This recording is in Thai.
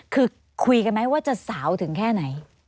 คือคุยกันไหมว่าจะสาวถึงแค่ไหน